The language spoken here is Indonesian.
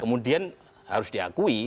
kemudian harus diakui